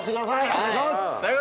お願いします